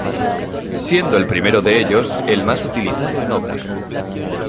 Siendo el primero de ellos el más utilizado en obra.